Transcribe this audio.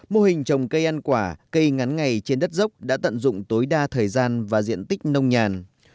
mô hình trồng cây ăn quả cây ngắn ngày trên đất dốc đã tận dụng tối đa thời gian và diện tích nông nhàn